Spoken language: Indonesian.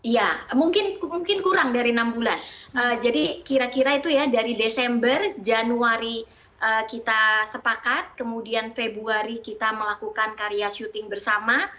ya mungkin kurang dari enam bulan jadi kira kira itu ya dari desember januari kita sepakat kemudian februari kita melakukan karya syuting bersama